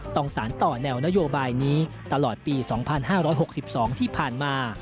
สารต่อแนวนโยบายนี้ตลอดปี๒๕๖๒ที่ผ่านมา